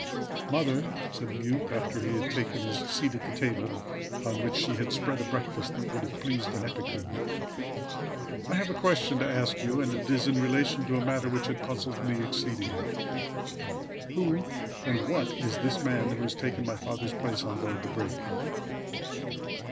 "Mother," said the youth, after he had taken his seat at the table, on which she had spread a breakfast that should have pleased an epicure. "I have a question to ask you; and it is in relation to a matter which has puzzled me exceedingly. Who and what is this man who has taken my father's place on board the brig?"